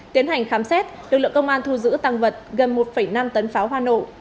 tiến hành khám xét lực lượng công an thu giữ tăng vật gần một năm tấn pháo hoa nổ